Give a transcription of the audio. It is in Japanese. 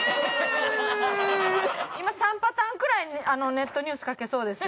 今３パターンくらいネットニュース書けそうです。